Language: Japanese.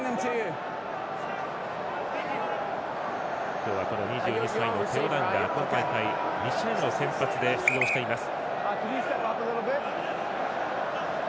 今日は２２歳のテオ・ダンが今大会２試合目の先発で出場しています。